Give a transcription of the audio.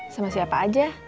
sama siapa aja